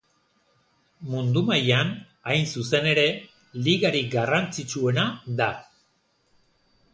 Mundu mailan, hain zuzen ere, ligarik garrantzitsuena da.